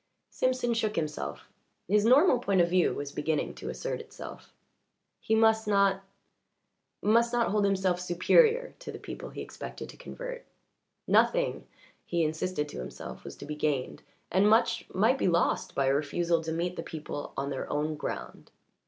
Simpson shook himself; his normal point of view was beginning to assert itself. He must not must not hold himself superior to the people he expected to convert; nothing, he insisted to himself, was to be gained, and much might be lost by a refusal to meet the people "on their own ground."